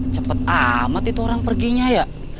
cepat amat itu orang perginya ya